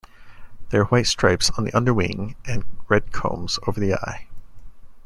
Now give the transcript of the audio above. There are white stripes on the underwing and red combs over the eye.